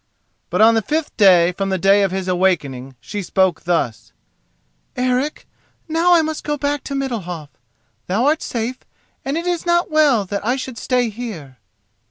But on the fifth day from the day of his awakening she spoke thus: "Eric, now I must go back to Middalhof. Thou art safe and it is not well that I should stay here."